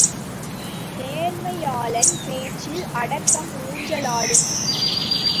நேர்மையாளன் பேச்சில் அடக்கம் ஊஞ்சலாடும்!